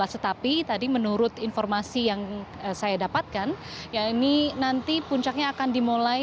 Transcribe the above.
tetapi tadi menurut informasi yang saya dapatkan ya ini nanti puncaknya akan dimulai